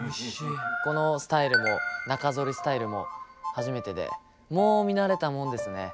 このスタイルも中剃りスタイルも初めてでもう見慣れたもんですね。